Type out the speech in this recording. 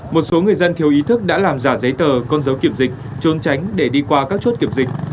một số người dân thiếu ý thức đã làm giả giấy tờ con dấu kiểm dịch trôn tránh để đi qua các chốt kiểm dịch